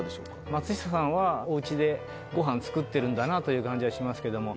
松下さんはお家でごはん作ってるんだなという感じはしますけども。